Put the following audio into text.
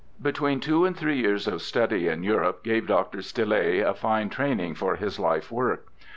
Between two and three years of study in Europe gave Dr. Stille a fine training for his life work.